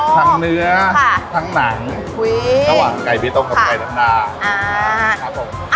ทั้งเนื้อทั้งหนังระหว่างไก่เบตตงกับไก่ธรรมดา